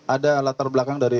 ada latar belakang dari